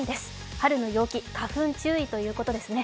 春の陽気、花粉注意ということですね。